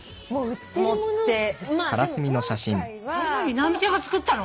直美ちゃんが作ったの？